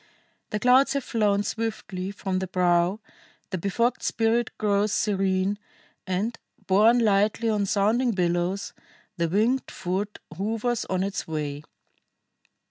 The clouds have flown swiftly from the brow, the befogged spirit grows serene, and, borne lightly on sounding billows, the winged foot hovers on its way.